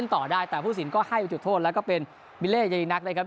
ต่อได้แต่ผู้สินก็ให้จุดโทษแล้วก็เป็นบิเล่เยอีนักนะครับ